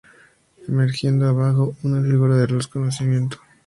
Emergiendo abajo, una figura de luz: conocimiento.